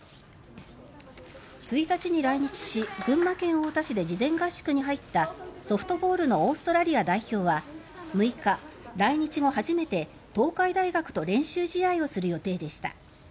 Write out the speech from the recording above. １日に来日し、群馬県太田市で事前合宿に入ったソフトボールのオーストラリア代表は６日来日後初めて、東海大学と練習試合をする予定でした。